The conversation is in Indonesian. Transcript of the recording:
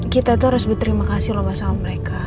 kita itu harus berterima kasih loh sama mereka